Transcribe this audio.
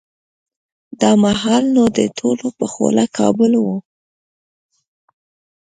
دا مهال نو د ټولو په خوله کابل و.